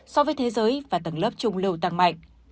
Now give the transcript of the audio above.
so với thế giới và tầng lớp trung lưu tăng mạnh